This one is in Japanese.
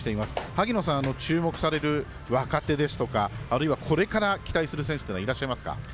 萩野さんが注目される若手ですとか、あるいはこれから期待する選手っていうのはいらっしゃいますか？